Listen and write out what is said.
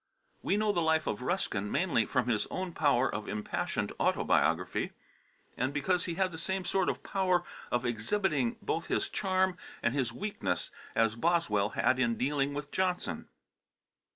We know the life of Ruskin mainly from his own power of impassioned autobiography, and because he had the same sort of power of exhibiting both his charm and his weakness as Boswell had in dealing with Johnson.